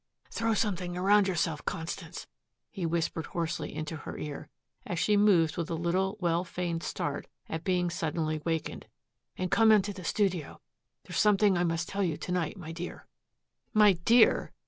"Throw something around yourself, Constance," he whispered hoarsely into her ear, as she moved with a little well feigned start at being suddenly wakened, "and come into the studio. There is something I must tell you tonight, my dear." "My dear!"